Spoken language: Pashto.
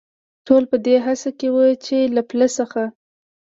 ټول په دې هڅه کې و، چې له پله څخه.